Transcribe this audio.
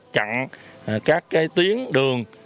chặn các cái tuyến đường